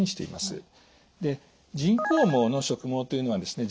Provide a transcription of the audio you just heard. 人工毛の植毛というのはですね